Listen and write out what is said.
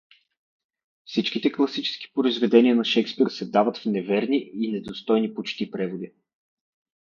Всичките класически произведения на Шекспир се дават в неверни и недостойни почти преводи.